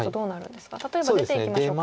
例えば出ていきましょうか。